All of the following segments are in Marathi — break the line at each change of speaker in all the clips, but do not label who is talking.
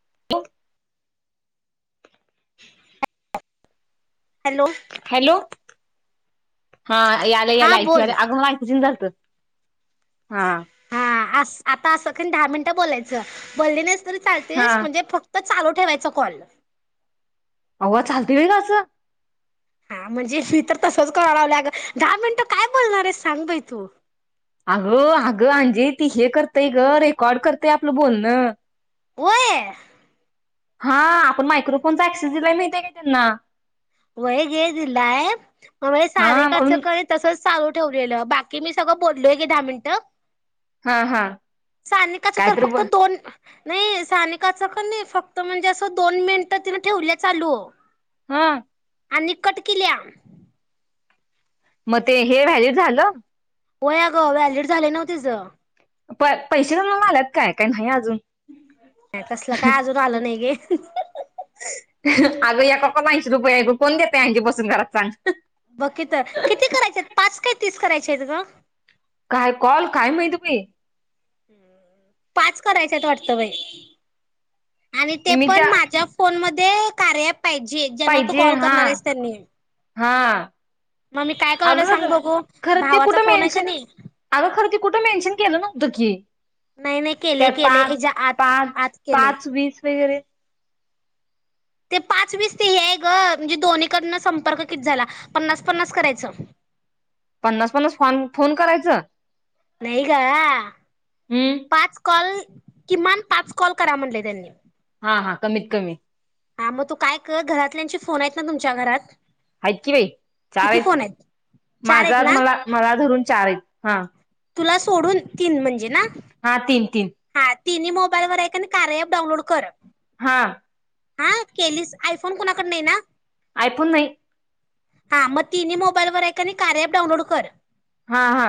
[inaudible] [inaudible]
हॅलो
हॅलो हा याल याल
हा
अग
बोल
मला ऐकूच यीन झालत. हा
हा अस आता असं दहा मिनिटं बोलायचं बोलली नाहीस. तरी
हा
चालतेस म्हणजे फक् त चालू ठेवायचा कॉल
अव चालतय व्हय व अस
हा म्हणजे मी तर तसंच कवा लावलं अग दहा मिनटं काय बोलणार आहेस सांग बाई तू
अगं अगं अंजे ती हे करतय ग रेकॉर्ड करतय आपलं बोलणं.
व्हय
हा आपण मायक्रोफोनचा अ‍ॅक्सेस दिलाय माहतीय का त्यांना
व्हय घे दिलाय म
हा
सारिका
म्हणून
कय तसंच चालू ठेवलेलं बाकी मी सगळं बोललोय घे दहा मिनिटं.
हा हा
साानिकाच
काय
तर
ब
फक्त दोन नाई साानिकाच कनी नाई फक्त म्हणजे असं दोन मिनटं तिन ठेवल्या चालू
हा
आणि कट केलीया.
म ते हे व्हॅली झालं.
व्हय अग व्हॅलिड झालय नव्ह तीच
प पैसे जमा झालेत काय काय नाही अजून
नाय तसलं काय अजून आलं नाय गे [unintelligible]
अगं येका कॉल ऐशी रुपयाे हाय ब कोण देतय अजी बसून घरात सांग.
ब की तर किती करायचेत पाच काय तीस कराय [unintelligible]
काय कॉल काय माहित बई
पाच करायच्यात वाटतं बाई आणि ते
मी त्या
पण माझ्या फोन म ते कार्या अँप
पाहिजे हा हा
मग मी काय
अग
करालोय सांग बघू
खरं ते
भावाचा
कुठं
फोन आहे का
मेनशन
नाही
अगं खरं ते कुठं मेनशन केलं नव्हतं की
नाही नाही केले
त्या
केले हेच्या
पाच
आत
पाच
आत केले
पाच वीस वगैरे
ते पाच वीस ते हेय ग म्हणजे दोन्ही कडन संपर्क किती झाला पन्नास पन्नास करायचं.
पन्नास पन्नास फोन फोन करायचं
नाही ग
हम्म
पाच कॉल किमान पाच कॉल करा म्हणले त्यांनी
हा हा कमीत कमी
हा मग तू काय कर घरातल्यांशी फोन आहेत ना तुमच्या घरात
आहेत कि बाई चार
किती
आहेत
फोन चार आहेत
माझाच
ना
मला मला धरून चार आहेत हा
तुला सोडून तीन म्हणजे ना
हा तीन तीन
हा तिन्ही मोबाईलवर आहे आणि कारऐप डाउनलोड कर
हा
हा केलीस आयफोन कोुणाकड नाही ना
आयफोन नाही
हा मग तिन् मोबाईल वर आहे कने कार ऐप डाउनलोड कर
हा हा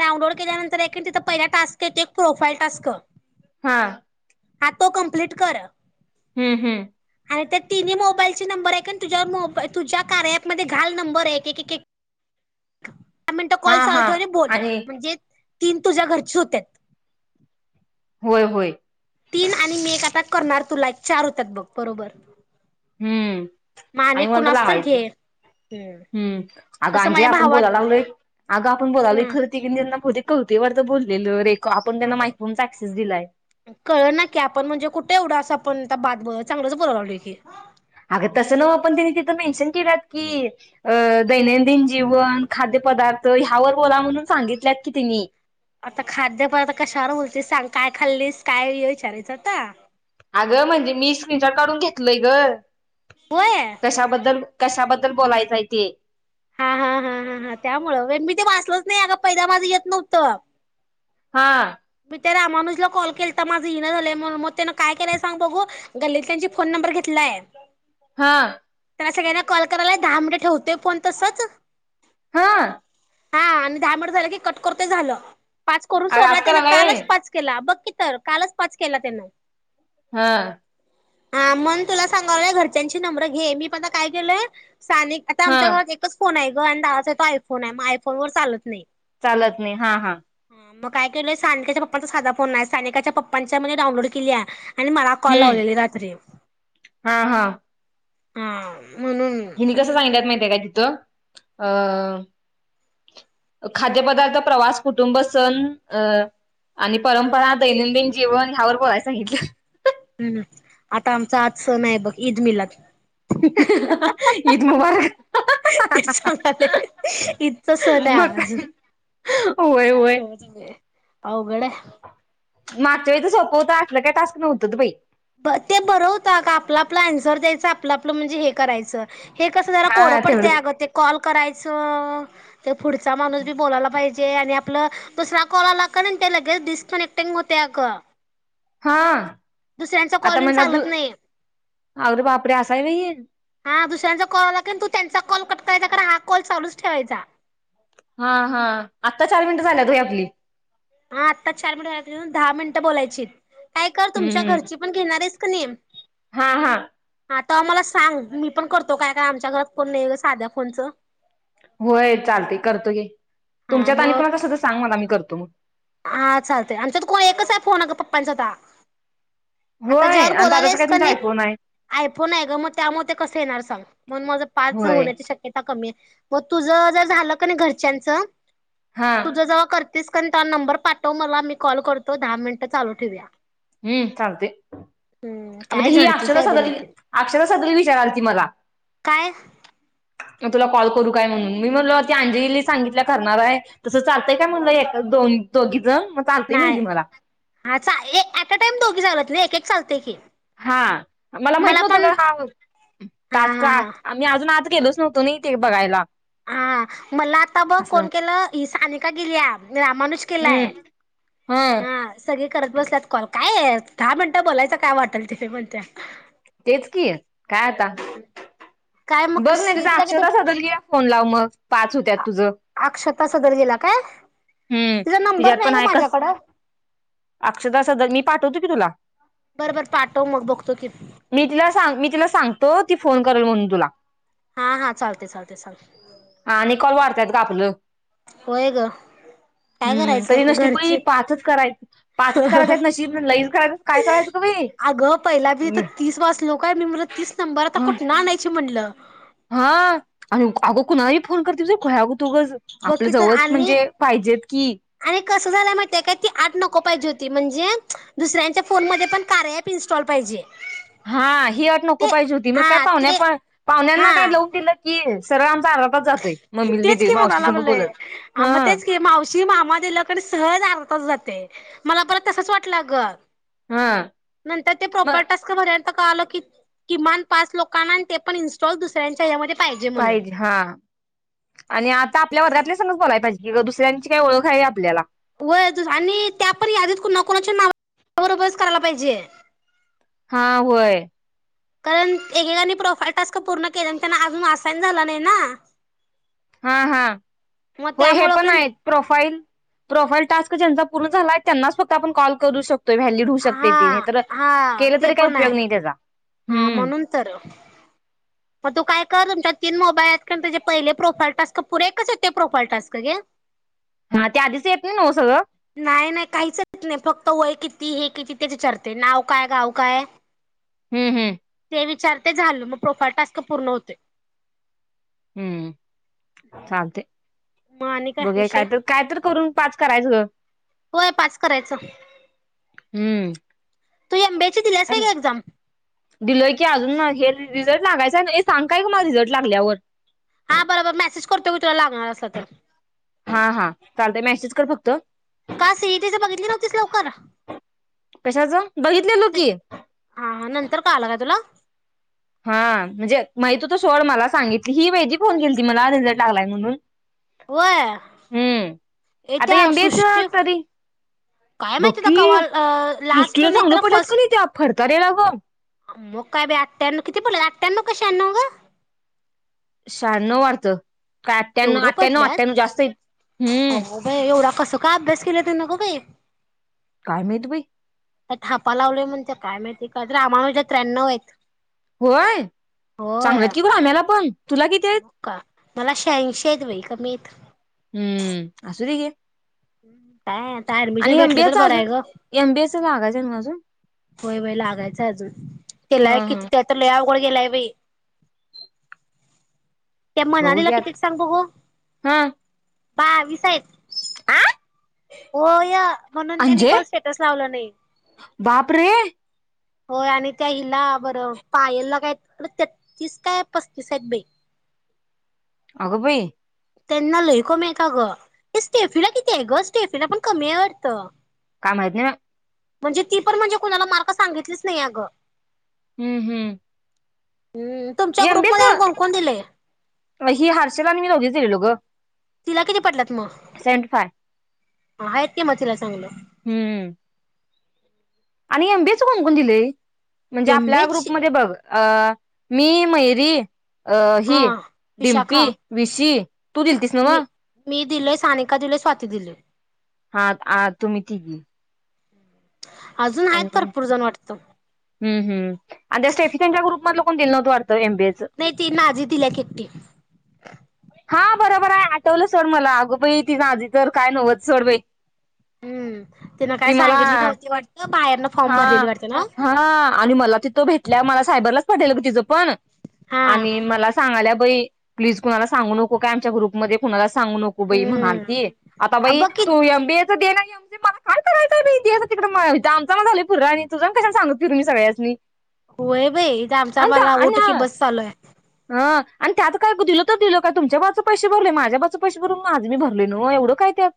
डाउनलोड केल्यांतर एक तिथं पहीला टास्क येते एक प्रोफाईल टास्क
हा
हा तो कम्प्लीट कर
हम्म हम्म
आणि त्या तिन्ही मोबाईलचे नंबर आहे का तुझ्यावर मो तुझ्या कार ऐप मध्ये घाल नंबर आहे एक एक मिनिट
हा
कॉल चालू
हा
ठेवले बोलल
आणि
म्हणजे तीन तुझ्या घरचे होत्यात
होय होय
तीन आणि मी एक आता करणार तुला एक चार होतात बघ बरोबर
हम्म
मग
आणि मता
कुणास तर
लावायचं
घे हम्म
हम्म अग
तसं
अजे
माझ्या
आपण
भावात
बोलायला लागलोय अगं आपण बोलालो
हम्म
खरं त खोलीत कळू दे बरं बोललेलं रे
अग कळ ना की आपण म्हणजे कुठ ते एवढा असं आपण बाद पण चांगलंच बोललोय की
अगं तसं नव पण तिने तिथं मेन्शन केलात की, अ दैनंदिन जीवन खाद्यपदार्थ ह्यावर बोला म्हणून सांगितल्यात कि तिन्ही
आता खाद्यपदार्थ आता कशावर बोलतेस सांग, काय खाल्लीस काय विचारायचं आता
अ गं म्हणजे मी स्क्रीनचार काढून घेतलय ग
होय
कशाबद्दल कशाबद्दल बोलायचंय ते
हा हा हा हा हा त्यामुळं मी ते वाचलच नाही अग पहिला माझं येत नव्हतं
हा
ते रामानुजला कॉल केलं तर माझं हिन झालंय मग त्यान काय केलंय सांग बघू गल्लीत त्यांची फोन नंबर घेतलाय
हा
त्यांना सगळ्यांना कॉल करायला दहा मिनिट ठेवते फोन तसंच
हा
हा आणि दहा मिनट झालं की कट करतोय झालं पाच करून
अगं
सोडला
असं
त्यांना
करायला व्हय
कालच पाच केला बघ की तर कालच पाच केला त्यांने
हा
हा म्हणून तुला सांगावलंय घरच्यांची नंबर घे मी पणता काय केलय सानिक आता
हा
आमच्या घरात एकच फोन आहे. गोवंदावाचे तो आयफोन आहे मग आयफोन वर चालत नाही.
चालत नाही हा-हा
मग काय केलेस सानिकाच्या पप्पांचा साधा फोन नाही, सानिकाच्या पप्पांच्या मध्ये डाऊनलोड केलीया. आणि मला कॉल
हम्म
लावलेली रात्री
हा हा
हा म्हणून
हिनी कसं सांगितलय माहितय का तिथं? अ खाद्यपदार्थ प्रवास कुटुंब सण अं आणि परंपरा दैनंदिन जीवन ह्यावर बोलायला सांगितलं.
हम्म-हम्म आता आमचा आज सण आहे बघ ईद मिलाद
ईद मुबारक
तेच सांगायल ईद चा सण आहे
मग
आज,
होय
काय
होय.
[inaudible] अवघड आहे.
मागच्या वेळीच सोप होतं असलं काय टास्क नव्हतंत बाई
ब ते बरं होत का आपला-आपला आन्सर द्यायच आपलं-आपलं म्हणजे हे करायचा. हे कसं जरा कोडं
हा
पडते
तेवढंच.
अगं ते कॉल करायचं ते पुढचा माणूस बी बोलायला पाहिजे ते आणि आपलं दुसरा कॉल आला करेंट ते लगेच डिस्कनेक्टिंग होतय अगं
हा
दुसऱ्यांचा
आता
कॉल येऊन
म्हणला तू
चालत नाही
अरे बापरे असं आहे व्हय हे.
हा दुसऱ्यांचा कॉल आला की न तू त्यांचा कॉल कट तो ह्याचा कर हा कॉल चालूच ठेवायचा.
हा-हा आत्ता चार मिनिटं झाल्या होय आपली.
हा आत्ता चार मिनिटा झाले, दहा मिनिटं बोलायचीत. काय कर तुमच्या
हम्म.
घरची पण घेणारस क नियम
हा हा
हा आता आम्हाला सांग मी पण करतो काय-काय आमच्या घरात फोन नाही आहे साध्या फोनचं
होय चालते करतोय की
हा
तुमच्यात आणि कोणा
मग
कसं तर सांग मला मी करतो. तुम
हा चालतय आमच्यात कोण एकच आहे फोन का पप्पांचा आता आता
होय
ज्यावर
आणि दादाचा
बोलालेस
काय
का
तुमचा
नाही
आयफोन आहे.
आयफोन आहे ग मग त्यामुळे ते कसं येणार सांग? म्हणून माझं पांच
होय
होण्याची शक्यता कमी आहे. मग तुझ जर झालं का नाही घरच्यांच
हा
तुझ जव कर तेस क त नंबर पाठव मला मी कॉल करतो दहा मिनिटं चालू ठेवया
हम्म चालते म्हण
काय
ही
झडतीच
अक्षर
आहे बाई
सगळी
नितीन
अक्षरा [unintelligible] विचाराल ती मला
काय
तुला कॉल करू काय? म्हणून मी म्हणल ती अंजली सांगितल्या करणार आहे तसं चालतंय काय म्हणलं दोन दोघीच?
नाही अचा ये [unintelligible] [unintelligible] टाइम दोघी झालात नाही एक चालते की.
हा मला माहित नव्हतं हा
हा
टास्क का
हा
आ
हा
आम्ही अजून आत गेलोच नोवतो ना ते बघायला
हा मला आता बघ
असं
कोण केलं? सानिका गेल्या? रामानुष केलाय
हम्म
हा सगळी करत बसल्यात कॉल काय दहा मिनिटं बोलायच काय वाटल ते म्हणत्या
तेच कि काय आता
काय मग
बघ नाही त्याचा
सीईटीला किती
अक्षता सदलगेला फोन लाव मग पाच होत्यात तुझ
अक्षता सदर गेला काय
हम्म
तिचा
तिच्यात
नंबर नाही
पण
ग
हाय
माझ्याकडं.
अक्षता सदरगे मी पाठ देते की तुला
बरं बरं पाठव मग बघतो की
मी तिला सांग मी तिला सांगतो ती फोन करेल म्हणून तुला
हा हा चालते चालते चाल
कापलं
होय ग काय
हम्म तरी
करायचं
नशीब बाई
घरचे
पाचच करायचं पाचच करायच
हाहा
आहेत नशीब लईच करायचं काय करायचं ग बाई
अगं पहिला मी तर तीस वाज लोकय मी म्हला तीस नंबर आता
हा
कुठ ना आणायची म्हणलं
हा आणि अगो कुणाही फोन करते अगहौय तु
बघ
आपलं
की तर
जवळ
आणि
म्हणजे पाहिजेत की
आणि कसं झालाय माहितीया काय ती अट नको पाहिजे होती म्हणजे दुसऱ्यांच्या फोन मध्ये पण कार्या अँप इन्स्टॉल पाहिजे
हा ही अट नको
ते
पाहिजे होती मग काय
हा
पाहुण्या
ते
पाहुण्यांना काय
हा
लाऊ दिलं की सरळ अर्धा तास जातोय मम्मीला
तेच
दिदे
की म्हणाय
मावशी संग
लागलोय
बोलत हा
हाम तेच की मावशी मामा दिल कनी सहज अर्धा तास जातय ते मला परत तसच वाटलं आ ग
हा
नंतर ते
मग
प्रॉपर टास्क भरायला अस कळाल की किमान पाच लोकांना ते पण इनस्टॉल दुसऱ्यांच्या एच्यामदे पाहिजे म्हणून
आ आणि आता आपल्या वर्गातल्या संग बोलाय पाहिजे इथ दुसऱ्यांची काय ओळख आहे का आपल्याला
व्हय येतय आणि त्या पण यादीत कुणाकुणाच नाव त्यावरच करायला पाहिजे.
हा व्हय
कारण एकेकानी प्रोफाईल टास्क पूर्ण केलेत त्यांना अजून असाइन झाला नाही ना!
हा हा
मग
होय हे
त्यामुळं
पण
कणी
आहेत प्रोफाईल प्रोफाईल टास्क ज्यांचा पूर्ण झाला आहे त्यांनाच फक्त आपण कॉल करू शक
हा हा
केलं
ते
तरी काही
पण हाय
उपयोग नाही त्याचा
हा
हम्म
म्हणून तर म तू काय कर तुमच्या तीन मोबाईल आहेत कारण त्याचे पहिले प्रोफाईल टास्क पुढे एकच येतय ते प्रोफाईल टास्क ग
हा त्या आधीच येत नाही नव सगळं
नाही नाही काहीच येत नाही फक्त वय कित ती ही एकच हे विचारती नाव काय गाव काय
हम्म हम्म
ते विचारते झाल म प्रोफाल टास्क पूर्ण होतोय.
हम्म चालतय
मग आणि
बघुया काय
विषय
तरी काय तरी करून पाच करायचं ग
होय पाच करायचं
हम्म
तू एम बी ए
दिलोय की अजून ना हे रीजल रिझल्ट लागायचा नाही सांग काय ग मला रिझल्ट लागल्यावर.
हा बर बर मेसेज करतो मी तुला लागणार असलं तर
हा हा चालतय मेसेज कर फक्त
तीस लवकर
कशाचं बघितलेलो की
हा हा नंतर कळालं काय तुला
हा म्हणजे माहित होत सोड मला सांगितली ही वैदी फोन केल ती मला रिझल्ट लागलाय म्हणून
व्हय
हम्म
ए त्या
आता एमबीएच
सृष्टी
तरी
काय माहिती अता
बकी
कवा लास्ट नाहीत तर फर्स्ट
तरी नको
अ मग काय बाय अठ्याण्णव किती पडले अठ्याण्णव का श्याण्णव ग
शहा्णव वाटतं काय आठ्यानऊ
एवढं
आठ्यानऊ आठ्यानऊ
पडल्यात
जास्त आहेत, हं
त का अभ्यास केले त नको काय
काय माहित बाई
त्या थापा लावले म्हण त्या काय माहिती त्र्याण्णव आहेत
होय चांगलं की ग आम्याला पण तुला किती आहेत
होका मला शहांशीत बाई कमीत
हम्म असू दे घे
[inaudible]
आणि एम बी
भेटलं
ए
तर
च
बरं
अजून
आहे ग
एम बी ए च लागायचं ना अजून
होय वय लागायचं अजून त्याला एक
हा
किती
हा
त्या तर लय अव वर गेलाय बाई त्या
बघू
मनालीला कितीत
घ्यात
सांग बघू
हा
बाविस यत
आ
होय म्हणून त्यांनी
अंजे
कोण स्टेटस लावलं नाही.
बाप रे
होय आणि त्या हिला बरं पायलला काय तेतीस काय पस्तीस आहेत बाई
अगबाई!
त्यांना लय कमीयत आग ये स्टेफीला किती आहे ग स्टेफीला पण कमीय वाटत!
काय माहीत नाही बा
म्हणजे ती पण म्हणजे कुणाला मार्क सांगितलीच नाही अगं
हम्म हम्म
हम् तुमच्या ग्रुप मध्ये अन् कोण कोण दिलय
वैशी, हर्षला नी मी दोघीच गेलतो ग.
तिला किती पडल्यात?
सेव्हनटी फाय
ह आहेत की मग तीला चांगलं
हम्म आणि एम बी ए च कोण कोण दिलय? म्हणजे आपल्या
एमबेच
ग्रुपमध्ये बघ अ मी मइरी अ
हा
हि डिम्पी
विशाखा
विशी तू दिलतीस नव्ह?
दिले सानिका दिले स्वाती दिले
हा आ तुम्ही तिघी
[inaudible] अजून
आणि
आहेत भरपूर जण वाटतं
हम्म हम आणि त्या स्टेफिकनच्या ग्रुप मध कोण दिल नव्हत.
नाही ती नाझी दिल्या की एकटी ह
हा बरोबर आहे आठवलं सोड मला अगोबाई तीझे आदि तर काय नव्हत सोड बाई
हम्म तिनं
ती
काय
मला
सांगितली नव्हती वाटतं बाहेरनं फॉर्म
हा
भरलेली वाटतं ना
हा आणि मला ति तो भेटल्या मला सायबरच पडलेलं की तीज पण
हा
आणि मला सांगायल्या प्लीज कोणाला? सांगू नको का आमच्या ग्रुपमध्ये कुणालाच? सांगु नको बाई
हम्म
म्हणालती आता
अ
बाइ
बघ की
तू एम बी ए हा देना नाही आमच काय करायचं बाई दे जा तिकडं माळ्यावर हित आमचं आम्हाला झालंय फुर तुज आणि कशाला सांगत फिरु सगळ्यासनी
होय बाई इथ आमचा
आणि
आम्हाला
आणि
ओट की बस चालूय
हा आणि त्यात काय ग तील दिलं का तुमच्या बाज पैसे भरले माझ्या बाज पैसे भरून आज मी भरले न एवढं काय त्यात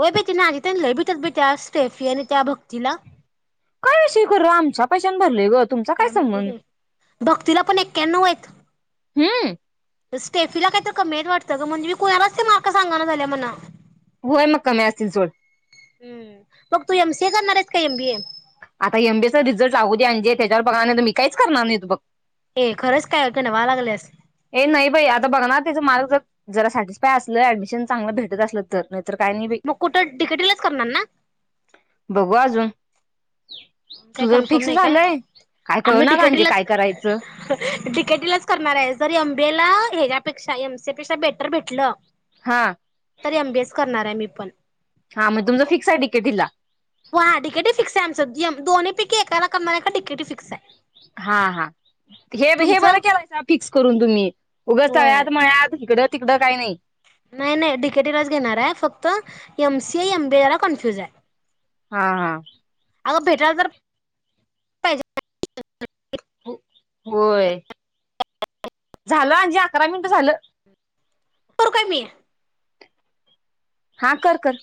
होय बाई ती राणी त्या लई भित्यात बाई त्या स्टेफी आणि त्या भक्तीला
काय अशी कर आमच्या पैशन भरले ग तुमचा
काय माहिती
संबंध
ब भक्तीलापण एक्यानव आहेत
हम्
स्टेफीला काहीत कमीत वाटतं ग म्हणजे मी कुणालाच ते मार्क सांगा ना झाल्या म्हना
होय मग कमी असतील सोड
हम्म मग तू एमसीए करणार आहेस का एम बीए
आता एमबीएचा रिझल्ट लागूदे अंजे त्याच्यावर बघा तर मी काहीच करणार नाही तो बघ
ए खरंच काय क गांडवलागलेस
हे नाही बाई आता बघा ना त्याच मार्क जर जरा सॅटिस्फाय असलं ऍडमिशन चांगलं भेटत असलं तर नाही काय बाई
मग कुठं डीकेटीलाच करणार ना?
बघू अजून
काय
तुझं
कन्फर्म
फिक्स
नाही का
झालंय काय कळू
आम्ही
ना गांजे
डीकेटीलाच
काय करायचं
डीकेटीलाच करणार आहे. जरी एमबेला ह्याच्यापेक्षा एमसीपेक्षा बेटर भेटलं
हा
तर एमबीएस करणार आहे मी उपण
हा मणजे तुमचं फिक्स आहे डीकेटी ला
व हा डीकेटी फिक्स आहे आमच दोन्ही पैकी एकाला करणार एका डीकेट फिक्स य
हा हा हे हे बरं
तुमचं
केलाय फिक्स करून तुम्ही उगच
होय
तळ्यात मळ्यात इकड तिकडं काही नाही
नाही नाही डीकेटीलाच घेणार आहे फक्त एमसीए एमबीला कन्फ्युज आहे?
हा हा
अगं भेटायला तर पाहिजे
हो- होय झालं अंजी अकरा मिनट झालं
काय मी?
हा कर कर